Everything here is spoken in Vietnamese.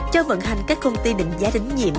cho vận hành các công ty đánh giá đánh nhiệm